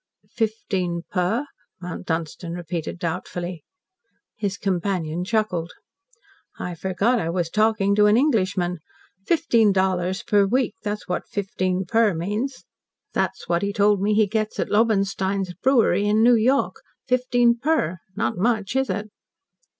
"Fifteen per?" Mount Dunstan repeated doubtfully. His companion chuckled. "I forgot I was talking to an Englishman. Fifteen dollars per week that's what 'fifteen per' means. That's what he told me he gets at Lobenstien's brewery in New York. Fifteen per. Not much, is it?"